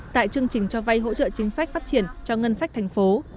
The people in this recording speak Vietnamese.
tại chương trình cho vay hỗ trợ chính sách phát triển cho ngân sách tp